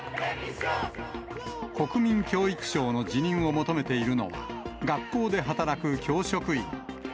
国民教育相の辞任を求めているのは、学校で働く教職員。